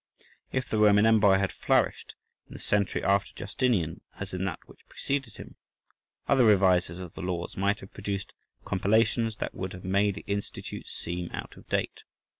If the Roman Empire had flourished in the century after Justinian as in that which preceded him, other revisers of the laws might have produced compilations that would have made the "Institutes" seem out of date.